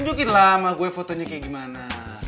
tujukin lah sama gue fotonya kayak gimana